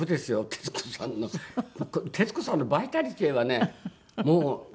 徹子さんの徹子さんのバイタリティーはねもう。